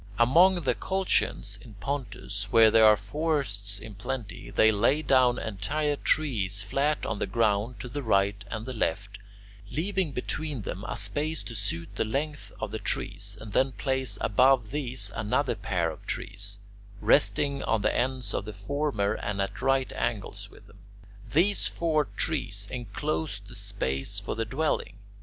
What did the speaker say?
Among the Colchians in Pontus, where there are forests in plenty, they lay down entire trees flat on the ground to the right and the left, leaving between them a space to suit the length of the trees, and then place above these another pair of trees, resting on the ends of the former and at right angles with them. These four trees enclose the space for the dwelling.